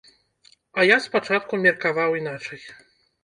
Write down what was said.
А я спачатку меркаваў іначай.